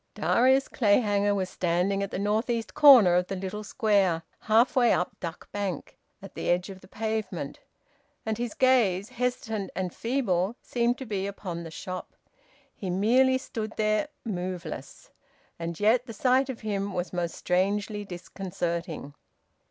Darius Clayhanger was standing at the north east corner of the little Square, half way up Duck Bank, at the edge of the pavement. And his gaze, hesitant and feeble, seemed to be upon the shop. He merely stood there, moveless, and yet the sight of him was most strangely disconcerting.